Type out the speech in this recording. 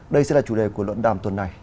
đây sẽ là chủ đề của luận đàm tuần này